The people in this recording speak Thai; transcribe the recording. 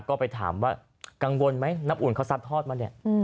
ก็ไปถามว่ากังวลไหมน้ำอุ่นเขาซัดทอดมาเนี่ย